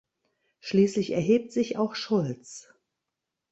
Schließlich erhebt sich auch Schultz.